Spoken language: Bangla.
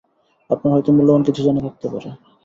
আপনার হয়তো মূল্যবান কিছু জানা থাকতে পারে।